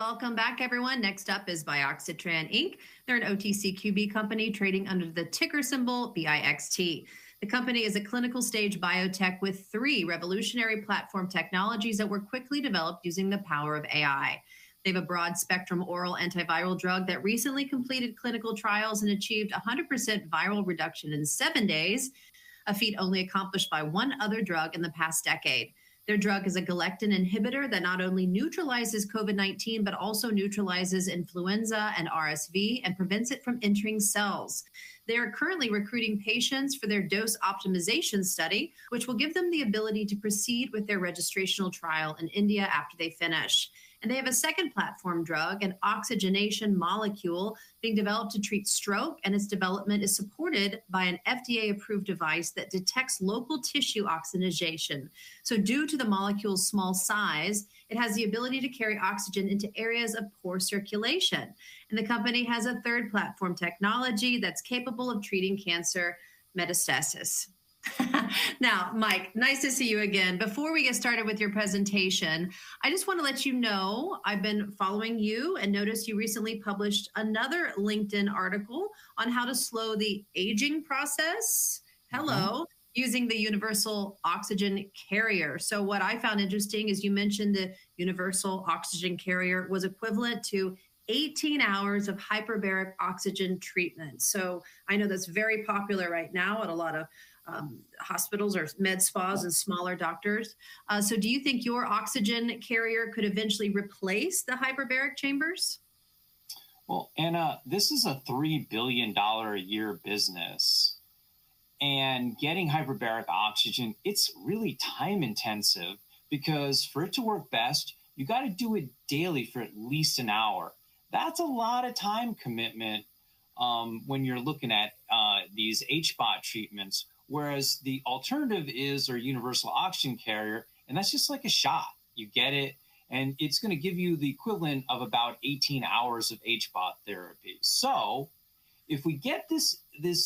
Welcome back, everyone. Next up is BioXyTran. They're an OTCQB company trading under the ticker symbol BIXT. The company is a clinical stage biotech with three revolutionary platform technologies that were quickly developed using the power of AI. They have a broad-spectrum oral antiviral drug that recently completed clinical trials and achieved 100% viral reduction in seven days, a feat only accomplished by one other drug in the past decade. Their drug is a galectin inhibitor that not only neutralizes COVID-19 but also neutralizes influenza and RSV and prevents it from entering cells. They are currently recruiting patients for their dose optimization study, which will give them the ability to proceed with their registrational trial in India after they finish. They have a second platform drug, an oxygenation molecule being developed to treat stroke, and its development is supported by an FDA-approved device that detects local tissue oxygenation. Due to the molecule's small size, it has the ability to carry oxygen into areas of poor circulation. The company has a third platform technology that's capable of treating cancer metastasis. Mike, nice to see you again. Before we get started with your presentation, I just want to let you know I've been following you and noticed you recently published another LinkedIn article on how to slow the aging process, hello, using the universal oxygen carrier. What I found interesting is you mentioned the universal oxygen carrier was equivalent to 18 hours of hyperbaric oxygen treatment. I know that's very popular right now at a lot of hospitals or med spas and smaller doctors. Do you think your oxygen carrier could eventually replace the hyperbaric chambers? Anna, this is a $3 billion a year business. Getting hyperbaric oxygen, it's really time intensive because for it to work best, you got to do it daily for at least an hour. That's a lot of time commitment when you're looking at these HBOT treatments. Whereas the alternative is our universal oxygen carrier, and that's just like a shot. You get it, and it's going to give you the equivalent of about 18 hours of HBOT therapy. If we get this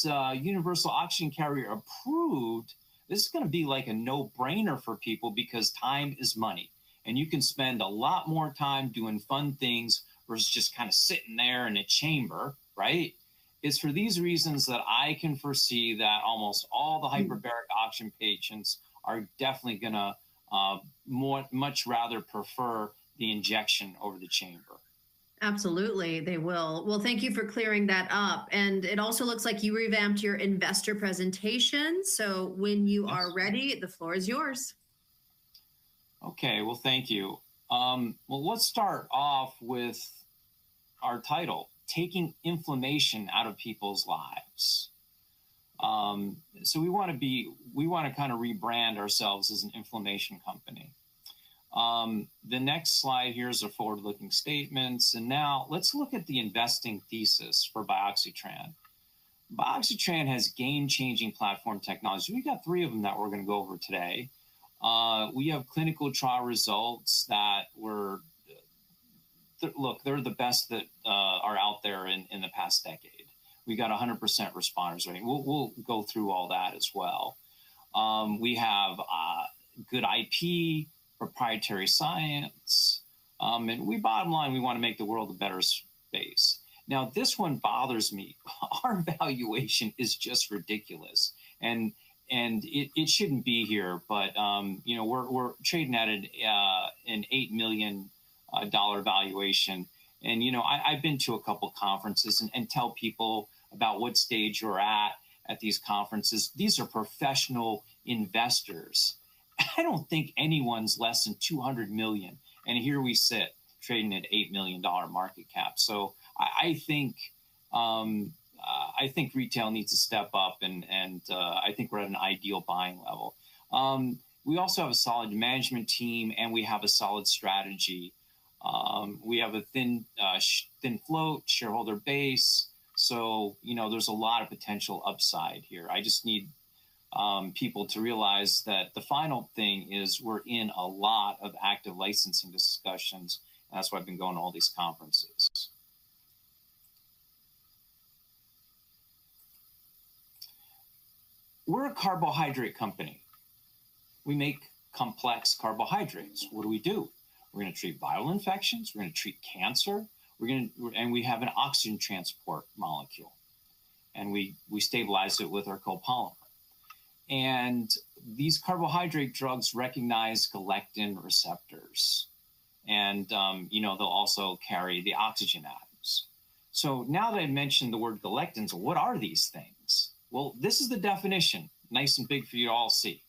universal oxygen carrier approved, this is going to be like a no-brainer for people because time is money. You can spend a lot more time doing fun things versus just kind of sitting there in a chamber, right? It's for these reasons that I can foresee that almost all the hyperbaric oxygen patients are definitely going to much rather prefer the injection over the chamber. Absolutely, they will. Thank you for clearing that up. It also looks like you revamped your investor presentation. When you are ready, the floor is yours. OK, thank you. Let's start off with our title, Taking Inflammation Out of People's Lives. We want to be, we want to kind of rebrand ourselves as an inflammation company. The next slide here is a forward-looking statement. Now, let's look at the investing thesis for BioXyTran. BioXyTran has game-changing platform technologies. We've got three of them that we're going to go over today. We have clinical trial results that were, look, they're the best that are out there in the past decade. We've got 100% responders rate. We'll go through all that as well. We have good IP, proprietary science. Bottom line, we want to make the world a better space. This one bothers me. Our valuation is just ridiculous. It shouldn't be here, but we're trading at an $8 million valuation. You know, I've been to a couple of conferences and tell people about what stage you're at at these conferences. These are professional investors. I don't think anyone's less than $200 million. Here we sit, trading at $8 million market cap. I think retail needs to step up, and I think we're at an ideal buying level. We also have a solid management team, and we have a solid strategy. We have a thin float shareholder base. You know there's a lot of potential upside here. I just need people to realize that. The final thing is we're in a lot of active licensing discussions. That's why I've been going to all these conferences. We're a carbohydrate company. We make complex carbohydrates. What do we do? We're going to treat viral infections. We're going to treat cancer. We're going to and we have an oxygen transport molecule. We stabilize it with our copolymer. These carbohydrate drugs recognize galectin receptors. You know they'll also carry the oxygen atoms. Now that I mentioned the word galectins, what are these things? This is the definition, nice and big for you to all see.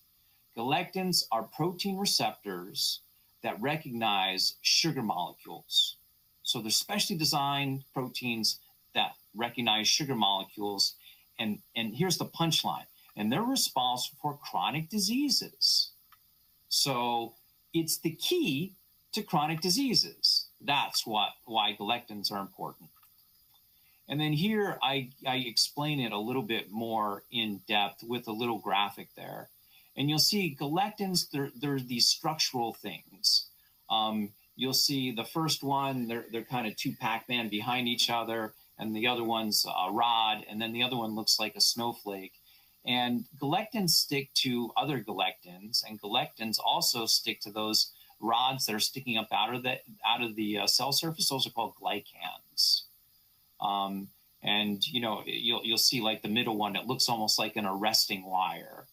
Galectins are protein receptors that recognize sugar molecules. They're specially designed proteins that recognize sugar molecules. Here's the punchline. They're responsible for chronic diseases. It's the key to chronic diseases. That's why galectins are important. Here, I explain it a little bit more in depth with a little graphic there. You'll see galectins, they're these structural things. You'll see the first one, they're kind of two Pac-Man behind each other. The other one's a rod. The other one looks like a snowflake. Galectins stick to other galectins. Galectins also stick to those rods that are sticking up out of the cell surface. Those are called glycans. You will see like the middle one, it looks almost like an arresting wire.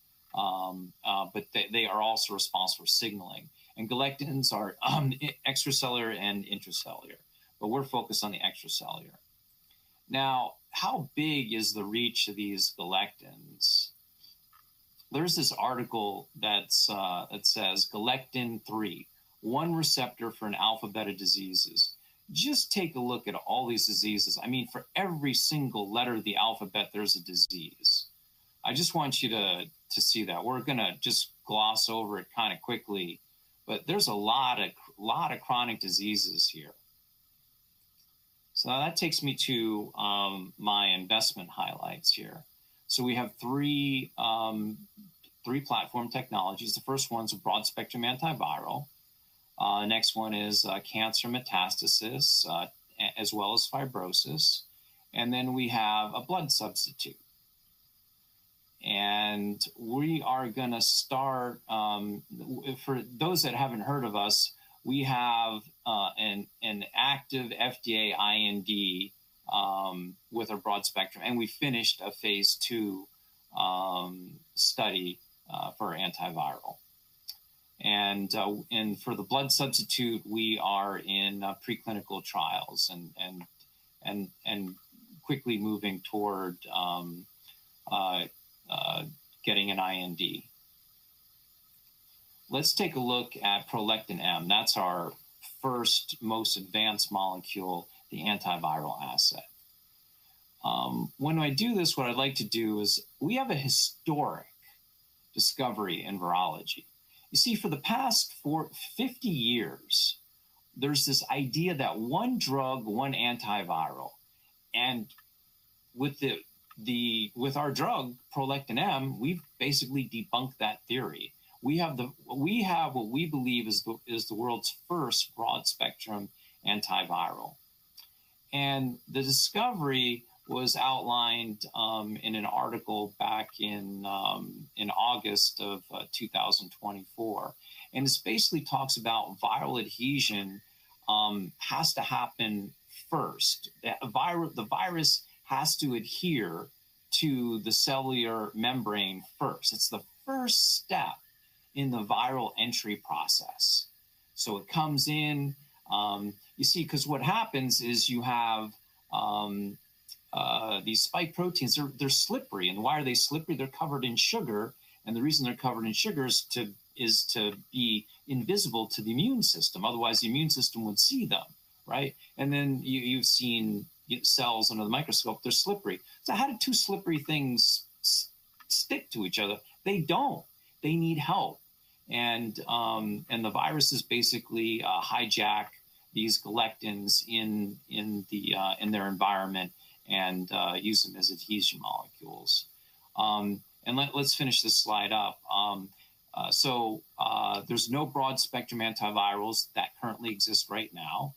They are also responsible for signaling. Galectins are extracellular and intracellular. We are focused on the extracellular. Now, how big is the reach of these galectins? There is this article that says galectin-3, one receptor for an alphabet of diseases. Just take a look at all these diseases. I mean, for every single letter of the alphabet, there is a disease. I just want you to see that. We are going to just gloss over it kind of quickly. There are a lot of chronic diseases here. That takes me to my investment highlights here. We have three platform technologies. The first one is a broad-spectrum antiviral. The next one is cancer metastasis, as well as fibrosis. Then we have a blood substitute. We are going to start for those that haven't heard of us, we have an active FDA IND with our broad-spectrum. We finished a phase two study for antiviral. For the blood substitute, we are in preclinical trials and quickly moving toward getting an IND. Let's take a look at ProLectin-M. That's our first most advanced molecule, the antiviral asset. When I do this, what I'd like to do is we have a historic discovery in virology. You see, for the past 50 years, there's this idea that one drug, one antiviral. With our drug, ProLectin-M, we've basically debunked that theory. We have what we believe is the world's first broad-spectrum antiviral. The discovery was outlined in an article back in August of 2024. It basically talks about viral adhesion has to happen first. The virus has to adhere to the cellular membrane first. It's the first step in the viral entry process. It comes in. You see, because what happens is you have these spike proteins. They're slippery. Why are they slippery? They're covered in sugar. The reason they're covered in sugar is to be invisible to the immune system. Otherwise, the immune system would see them, right? You've seen cells under the microscope. They're slippery. How do two slippery things stick to each other? They don't. They need help. The viruses basically hijack these galectins in their environment and use them as adhesion molecules. Let's finish this slide up. There's no broad-spectrum antivirals that currently exist right now.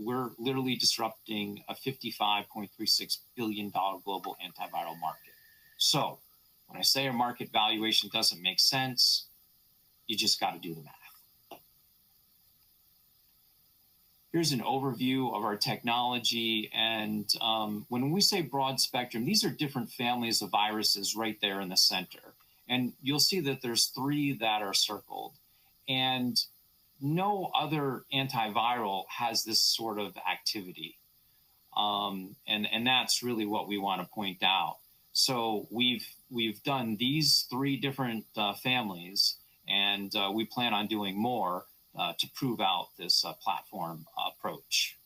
We're literally disrupting a $55.36 billion global antiviral market. When I say our market valuation doesn't make sense, you just got to do the math. Here's an overview of our technology. When we say broad-spectrum, these are different families of viruses right there in the center. You'll see that there's three that are circled. No other antiviral has this sort of activity. That's really what we want to point out. We've done these three different families. We plan on doing more to prove out this platform approach.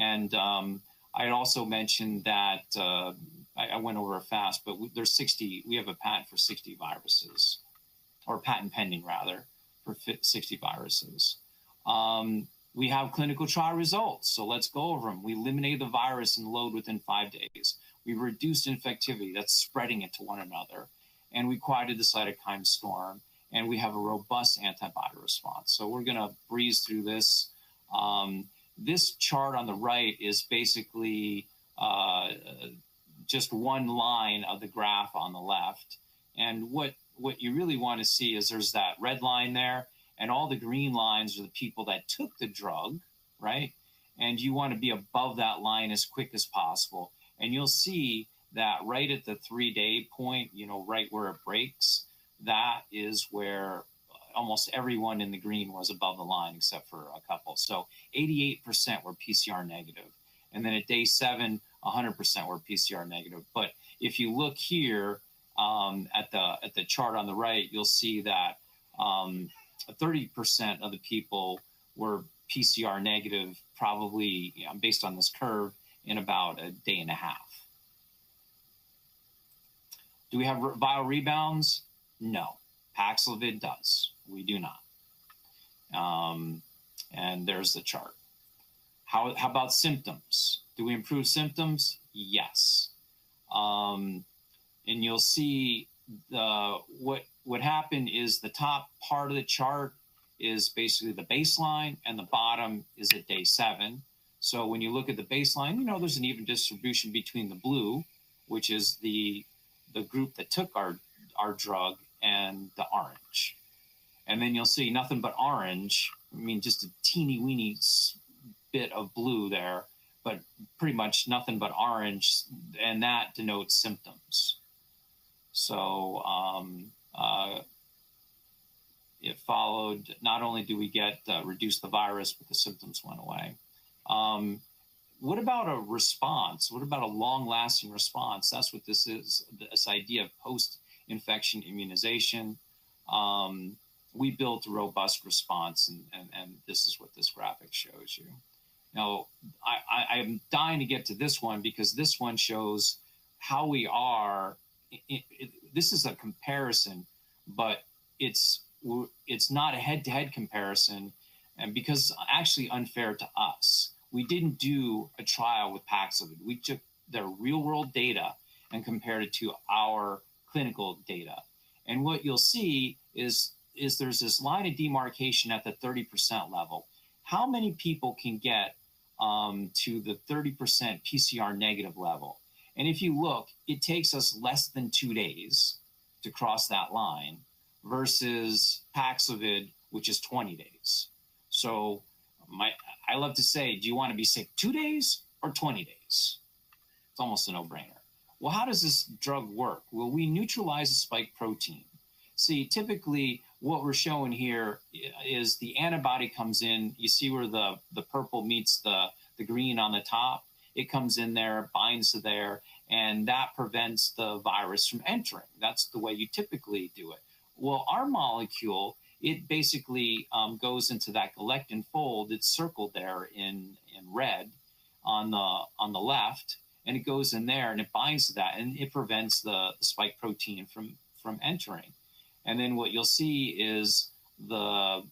I'd also mention that I went over it fast, but we have a patent for 60 viruses, or patent pending, rather, for 60 viruses. We have clinical trial results. Let's go over them. We eliminate the virus and load within five days. We reduced infectivity, that's spreading it to one another, and we quieted the cytokine storm. We have a robust antiviral response. We're going to breeze through this. This chart on the right is basically just one line of the graph on the left. What you really want to see is there's that red line there. All the green lines are the people that took the drug, right? You want to be above that line as quick as possible. You'll see that right at the three-day point, you know right where it breaks, that is where almost everyone in the green was above the line, except for a couple. 88% were PCR negative. At day seven, 100% were PCR negative. If you look here at the chart on the right, you'll see that 30% of the people were PCR negative, probably based on this curve, in about a day and a half. Do we have viral rebounds? No. Paxlovid does. We do not. There is the chart. How about symptoms? Do we improve symptoms? Yes. You will see what happened is the top part of the chart is basically the baseline. The bottom is at day seven. When you look at the baseline, you know there is an even distribution between the blue, which is the group that took our drug, and the orange. You will see nothing but orange. I mean, just a teeny weeny bit of blue there, but pretty much nothing but orange. That denotes symptoms. It followed not only do we get reduced the virus, but the symptoms went away. What about a response? What about a long-lasting response? That is what this is, this idea of post-infection immunization. We built a robust response. This is what this graphic shows you. Now, I am dying to get to this one because this one shows how we are, this is a comparison, but it's not a head-to-head comparison. Actually, it's unfair to us. We didn't do a trial with Paxlovid. We took their real-world data and compared it to our clinical data. What you'll see is there's this line of demarcation at the 30% level. How many people can get to the 30% PCR negative level? If you look, it takes us less than two days to cross that line versus Paxlovid, which is 20 days. I love to say, do you want to be sick two days or 20 days? It's almost a no-brainer. How does this drug work? We neutralize the spike protein. See, typically, what we're showing here is the antibody comes in. You see where the purple meets the green on the top? It comes in there, binds to there. That prevents the virus from entering. That's the way you typically do it. Our molecule, it basically goes into that galectin fold. It's circled there in red on the left. It goes in there. It binds to that. It prevents the spike protein from entering. What you'll see is the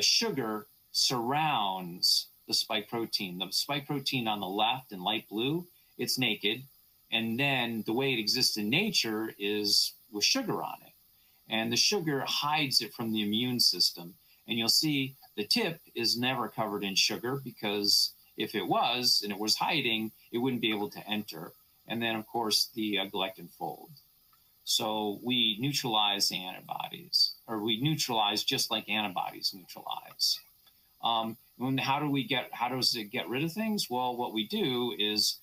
sugar surrounds the spike protein. The spike protein on the left in light blue, it's naked. The way it exists in nature is with sugar on it. The sugar hides it from the immune system. You'll see the tip is never covered in sugar because if it was and it was hiding, it wouldn't be able to enter. Of course, the galectin fold. We neutralize the antibodies, or we neutralize just like antibodies neutralize. How does it get rid of things? What we do is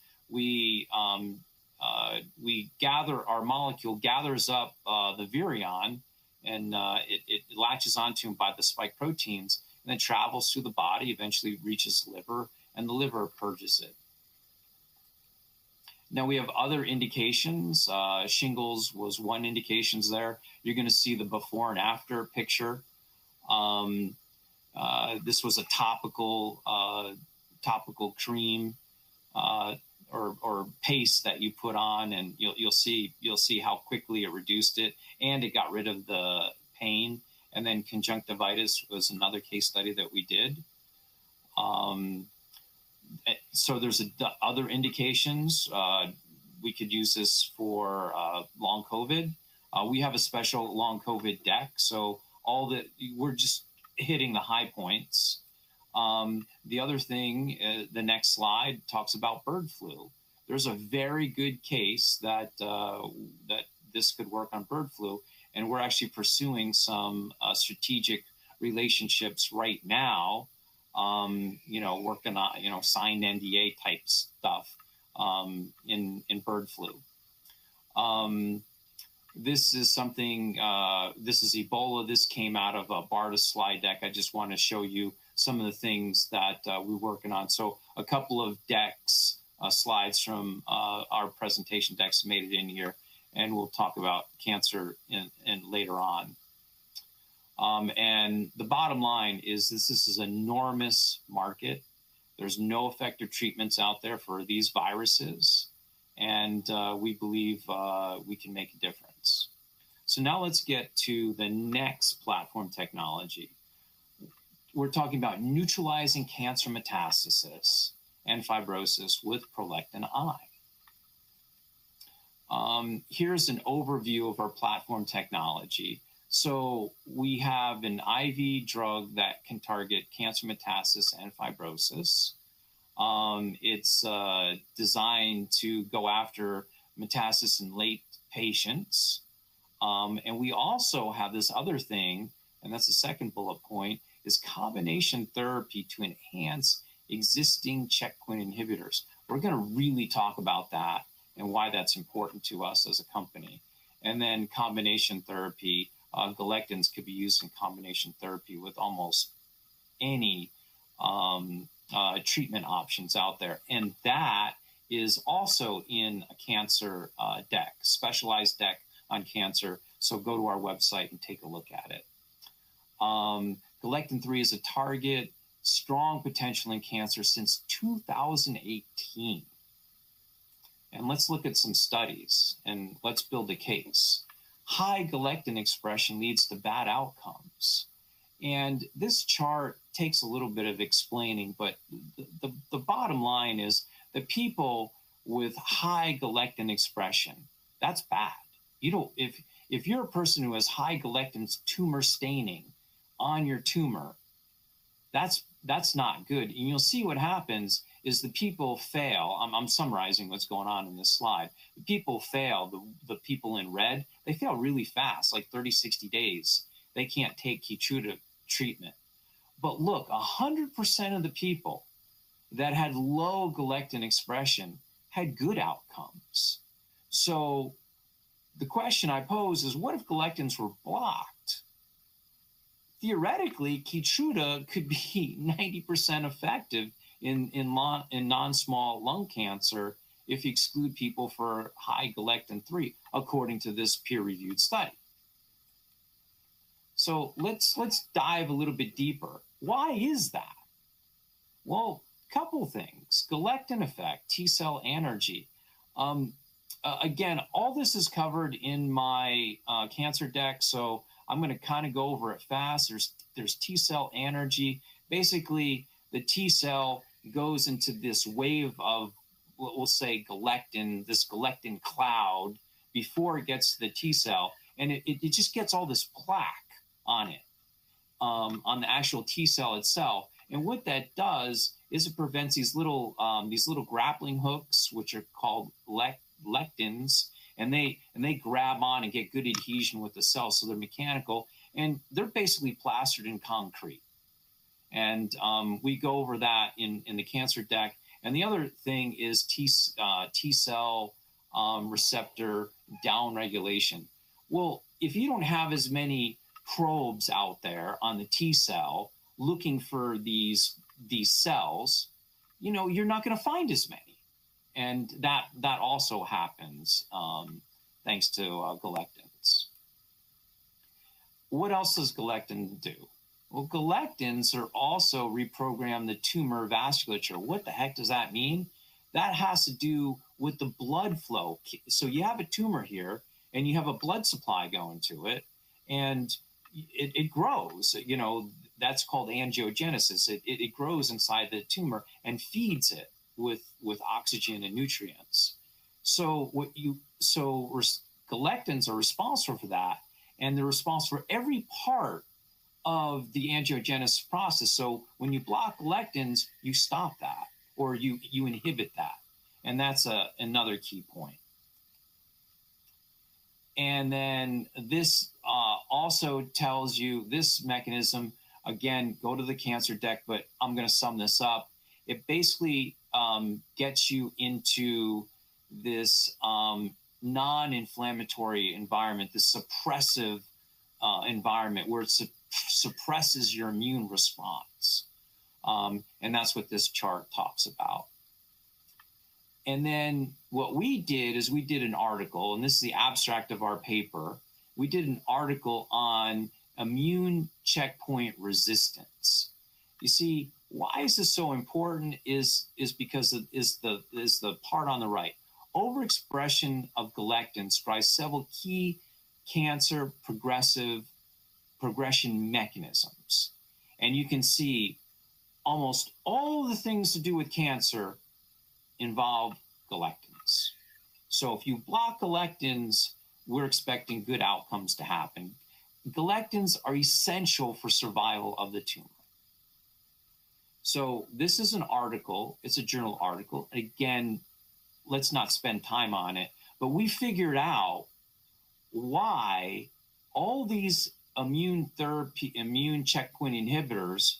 our molecule gathers up the virion. It latches onto them by the spike proteins. It travels through the body, eventually reaches the liver, and the liver purges it. We have other indications. Shingles was one indication there. You're going to see the before and after picture. This was a topical cream or paste that you put on, and you'll see how quickly it reduced it. It got rid of the pain. Conjunctivitis was another case study that we did. There are other indications. We could use this for long COVID. We have a special long COVID deck. All that, we're just hitting the high points. The other thing, the next slide talks about bird flu. There's a very good case that this could work on bird flu. And we're actually pursuing some strategic relationships right now, you know working on signed NDA type stuff in bird flu. This is something this is Ebola. This came out of a BARDA slide deck. I just want to show you some of the things that we're working on. So, a couple of decks slides from our presentation decks made it in here. And we'll talk about cancer later on. The bottom line is this is an enormous market. There's no effective treatments out there for these viruses. And we believe we can make a difference. Now let's get to the next platform technology. We're talking about neutralizing cancer metastasis and fibrosis with ProLectin-I. Here's an overview of our platform technology. We have an IV drug that can target cancer metastasis and fibrosis. It's designed to go after metastasis in late patients. We also have this other thing. The second bullet point is combination therapy to enhance existing checkpoint inhibitors. We're going to really talk about that and why that's important to us as a company. Combination therapy, galectins could be used in combination therapy with almost any treatment options out there. That is also in a cancer deck, specialized deck on cancer. Go to our website and take a look at it. ProLectin-3 is a target, strong potential in cancer since 2018. Let's look at some studies. Let's build a case. High galectin expression leads to bad outcomes. This chart takes a little bit of explaining. The bottom line is the people with high galectin expression, that's bad. If you're a person who has high galectins, tumor staining on your tumor, that's not good. You'll see what happens is the people fail. I'm summarizing what's going on in this slide. The people fail, the people in red, they fail really fast, like 30, 60 days. They can't take Keytruda treatment. Look, 100% of the people that had low galectin expression had good outcomes. The question I pose is, what if galectins were blocked? Theoretically, Keytruda could be 90% effective in non-small lung cancer if you exclude people for high galectin-3, according to this peer-reviewed study. Let's dive a little bit deeper. Why is that? A couple of things. Galectin effect, T cell anergy. Again, all this is covered in my cancer deck. I'm going to kind of go over it fast. There's T cell anergy. Basically, the T cell goes into this wave of, we'll say, galectin, this galectin cloud before it gets to the T cell. It just gets all this plaque on it, on the actual T cell itself. What that does is it prevents these little grappling hooks, which are called lectins. They grab on and get good adhesion with the cell. They're mechanical. They're basically plastered in concrete. We go over that in the cancer deck. The other thing is T cell receptor downregulation. If you don't have as many probes out there on the T cell looking for these cells, you know you're not going to find as many. That also happens thanks to galectins. What else does galectin do? Galectins are also reprogramming the tumor vasculature. What the heck does that mean? That has to do with the blood flow. You have a tumor here. You have a blood supply going to it. It grows. You know that's called angiogenesis. It grows inside the tumor and feeds it with oxygen and nutrients. Galectins are responsible for that. They are responsible for every part of the angiogenesis process. When you block lectins, you stop that, or you inhibit that. That is another key point. This also tells you this mechanism, again, go to the cancer deck. I am going to sum this up. It basically gets you into this non-inflammatory environment, this suppressive environment where it suppresses your immune response. That is what this chart talks about. What we did is we did an article. This is the abstract of our paper. We did an article on immune checkpoint resistance. You see, why is this so important is because of the part on the right. Overexpression of galectins drives several key cancer progression mechanisms. You can see almost all the things to do with cancer involve galectins. If you block galectins, we're expecting good outcomes to happen. Galectins are essential for survival of the tumor. This is an article. It's a journal article. Again, let's not spend time on it. We figured out why all these immune checkpoint inhibitors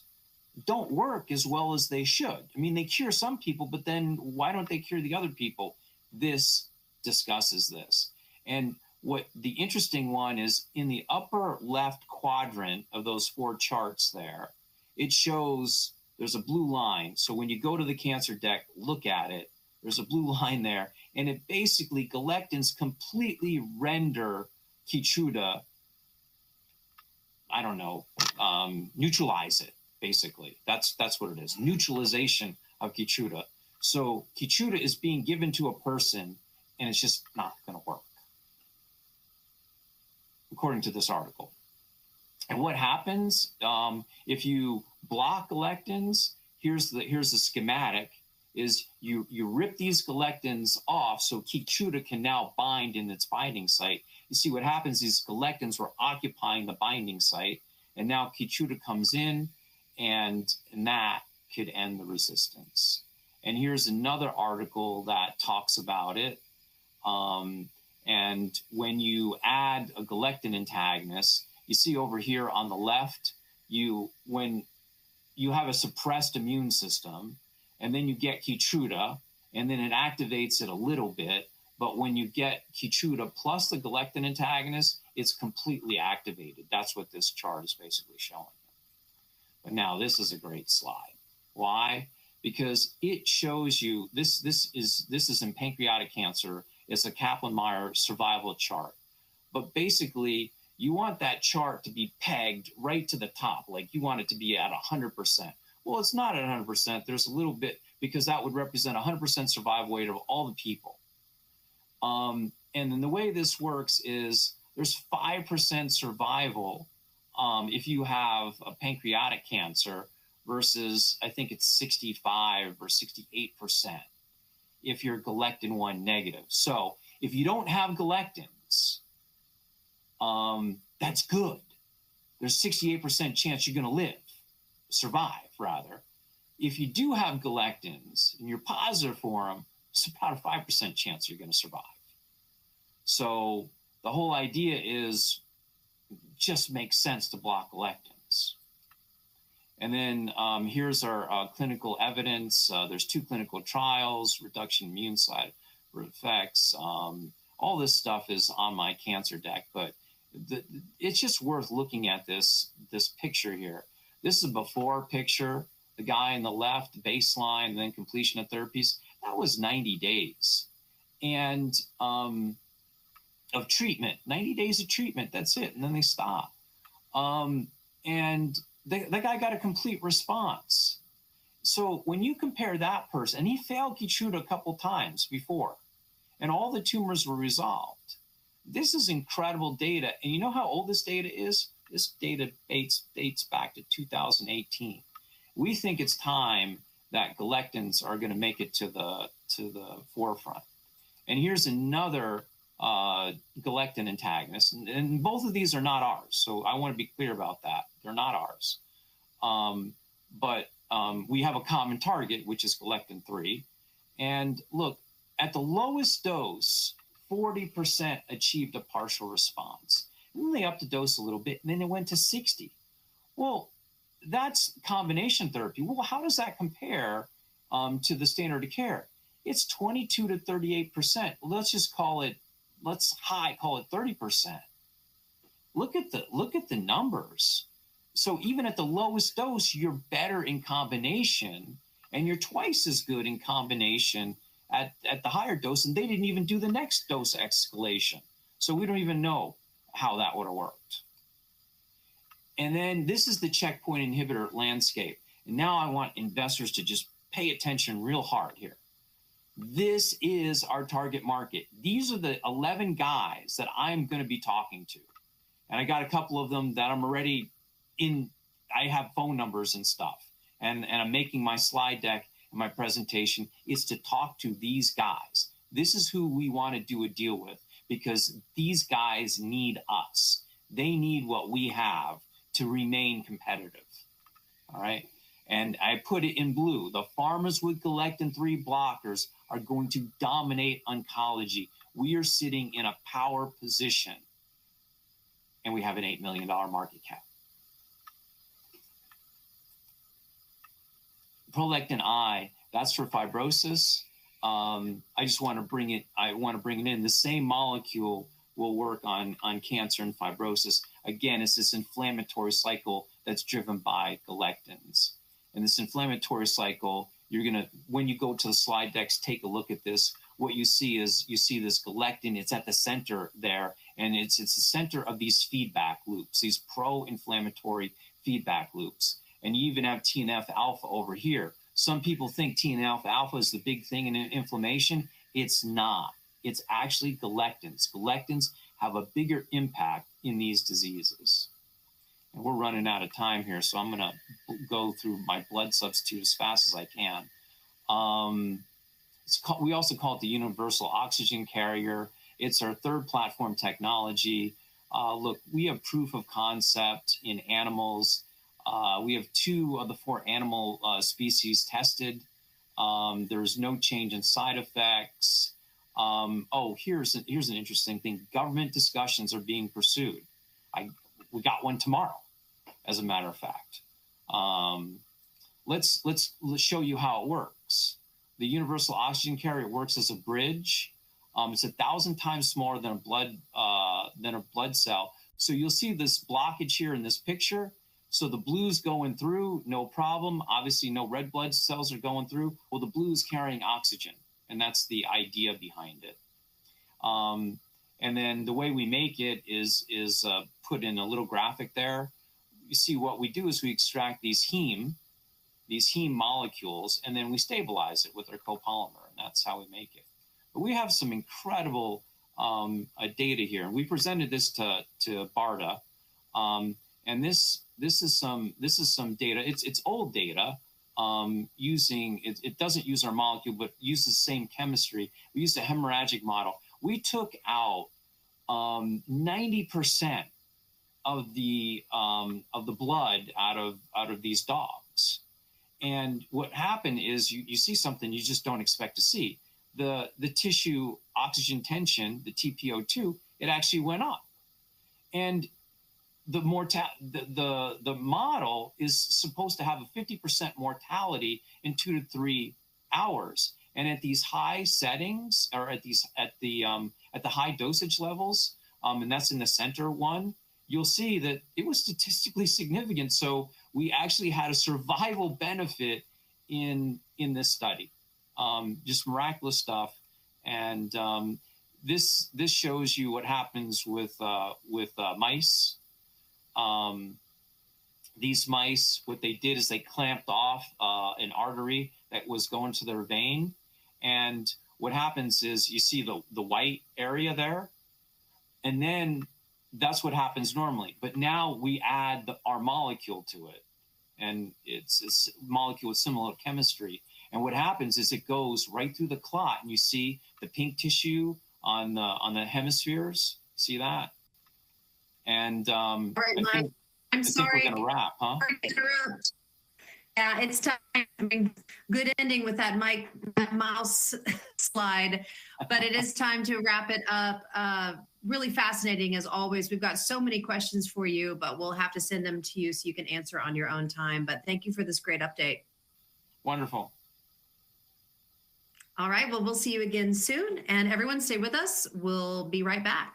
don't work as well as they should. I mean, they cure some people. Why don't they cure the other people? This discusses this. The interesting one is in the upper left quadrant of those four charts there, it shows there's a blue line. When you go to the cancer deck, look at it. There's a blue line there. And it basically galectins completely render Keytruda, I don't know, neutralize it, basically. That's what it is, neutralization of Keytruda. Keytruda is being given to a person. And it's just not going to work, according to this article. What happens? If you block galectins, here's the schematic. You rip these galectins off. Keytruda can now bind in its binding site. You see, what happens is galectins were occupying the binding site. Now Keytruda comes in. That could end the resistance. Here's another article that talks about it. When you add a galectin antagonist, you see over here on the left, when you have a suppressed immune system, and then you get Keytruda, and then it activates it a little bit. When you get Keytruda plus the galectin antagonist, it's completely activated. That's what this chart is basically showing. Now, this is a great slide. Why? Because it shows you this is in pancreatic cancer. It's a Kaplan-Meier survival chart. Basically, you want that chart to be pegged right to the top. Like, you want it to be at 100%. It's not at 100%. There's a little bit because that would represent 100% survival rate of all the people. The way this works is there's 5% survival if you have pancreatic cancer versus I think it's 65% or 68% if you're galectin-1 negative. If you don't have galectins, that's good. There's a 68% chance you're going to live, survive, rather. If you do have galectins in your positive form, it's about a 5% chance you're going to survive. The whole idea is it just makes sense to block galectins. Then here's our clinical evidence. There are two clinical trials, reduction immune effects. All this stuff is on my cancer deck. It is just worth looking at this picture here. This is a before picture. The guy on the left, baseline, then completion of therapies. That was 90 days of treatment, 90 days of treatment. That is it. Then they stop. The guy got a complete response. When you compare that person, and he failed Keytruda a couple of times before, and all the tumors were resolved, this is incredible data. You know how old this data is? This data dates back to 2018. We think it is time that galectins are going to make it to the forefront. Here is another galectin antagonist. Both of these are not ours. I want to be clear about that. They're not ours. But we have a common target, which is galectin-3. And look, at the lowest dose, 40% achieved a partial response. And then they upped the dose a little bit. And then they went to 60. Well, that's combination therapy. How does that compare to the standard of care? It's 22%-38%. Let's just call it, let's high call it 30%. Look at the numbers. Even at the lowest dose, you're better in combination. And you're twice as good in combination at the higher dose. They didn't even do the next dose escalation. We don't even know how that would have worked. This is the checkpoint inhibitor landscape. Now, I want investors to just pay attention real hard here. This is our target market. These are the 11 guys that I'm going to be talking to. I got a couple of them that I'm already in. I have phone numbers and stuff. I'm making my slide deck and my presentation is to talk to these guys. This is who we want to do a deal with because these guys need us. They need what we have to remain competitive. All right? I put it in blue. The pharmaceuticals with galectin-3 blockers are going to dominate oncology. We are sitting in a power position. We have an $8 million market cap. ProLectin-I, that's for fibrosis. I just want to bring it, I want to bring it in. The same molecule will work on cancer and fibrosis. Again, it's this inflammatory cycle that's driven by galectins. This inflammatory cycle, you're going to, when you go to the slide decks, take a look at this. What you see is you see this galectin. It's at the center there. It's the center of these feedback loops, these pro-inflammatory feedback loops. You even have TNF-α over here. Some people think TNF-α is the big thing in inflammation. It's not. It's actually galectins. Galectins have a bigger impact in these diseases. We're running out of time here. I'm going to go through my blood substitute as fast as I can. We also call it the universal oxygen carrier. It's our third platform technology. Look, we have proof of concept in animals. We have two of the four animal species tested. There is no change in side effects. Here's an interesting thing. Government discussions are being pursued. We got one tomorrow, as a matter of fact. Let's show you how it works. The universal oxygen carrier works as a bridge. It's 1,000x smaller than a blood cell. You see this blockage here in this picture. The blue is going through, no problem. Obviously, no red blood cells are going through. The blue is carrying oxygen. That is the idea behind it. The way we make it is put in a little graphic there. You see, what we do is we extract these heme, these heme molecules. Then we stabilize it with our copolymer. That is how we make it. We have some incredible data here. We presented this to BARDA. This is some data. It is old data. It does not use our molecule, but it uses the same chemistry. We use the hemorrhagic model. We took out 90% of the blood out of these dogs. What happened is you see something you just don't expect to see. The tissue oxygen tension, the tPO2, it actually went up. The model is supposed to have a 50% mortality in two to three hours. At these high settings, or at the high dosage levels, and that's in the center one, you'll see that it was statistically significant. We actually had a survival benefit in this study. Just miraculous stuff. This shows you what happens with mice. These mice, what they did is they clamped off an artery that was going to their vein. What happens is you see the white area there. That's what happens normally. Now, we add our molecule to it. It's a molecule with similar chemistry. What happens is it goes right through the clot. You see the pink tissue on the hemispheres. See that? Right. I'm sorry. We're going to wrap, huh? Yeah, it's time. I mean, good ending with that mouse slide. But it is time to wrap it up. Really fascinating, as always. We've got so many questions for you. But we'll have to send them to you so you can answer on your own time. But thank you for this great update. Wonderful. All right. We'll see you again soon. Everyone, stay with us. We'll be right back.